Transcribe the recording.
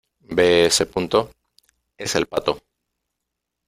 ¿ ve ese punto ? es el pato .